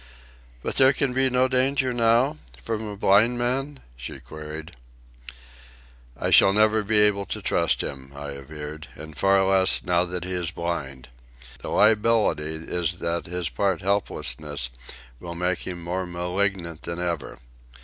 "But there can be no danger now? from a blind man?" she queried. "I shall never be able to trust him," I averred, "and far less now that he is blind. The liability is that his part helplessness will make him more malignant than ever.